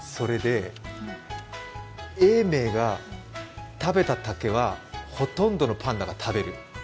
永明が食べた竹はほとんどのパンダが食べるよ。